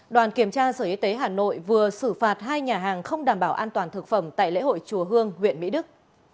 đoàn kiểm tra sở y tế hà nội vừa xử phạt hai nhà hàng không đảm bảo an toàn thực phẩm tại lễ hội chùa hương huyện mỹ đức